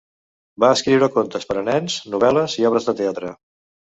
Va escriure contes per a nens, novel·les i obres de teatre.